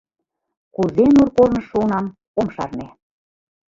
Кузе нур корныш шуынам – ом шарне.